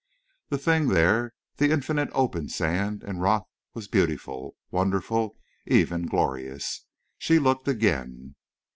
The thing there—the infinitude of open sand and rock—was beautiful, wonderful, even glorious. She looked again.